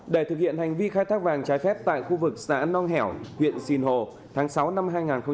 để thực hiện hành vi khai thác vàng trái phép tại khu vực xã nong hẻo huyện sinh hồ tháng sáu năm hai nghìn hai mươi ba